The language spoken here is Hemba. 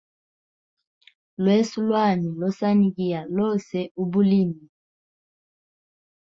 Lweso lwami losanigiaga lose ubulimi.